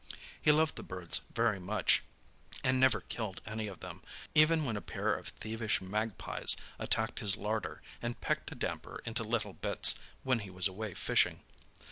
He loved the birds very much, and never killed any of them, even when a pair of thievish magpies attacked his larder and pecked a damper into little bits when he was away fishing.